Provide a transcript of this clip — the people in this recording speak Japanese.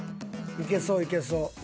いけそういけそう。